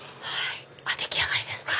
出来上がりですか。